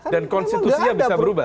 dan konstitusinya bisa berubah